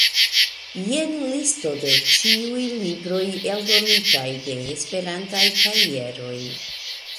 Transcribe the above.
Jen listo de ĉiuj libroj eldonitaj de Esperantaj Kajeroj.